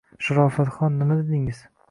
Sharofatxon, nima dedingiz